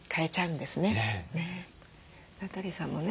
名取さんもね